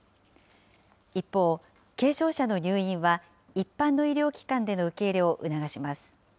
一方、軽症者の入院は、一般の医療機関での受け入れを促します。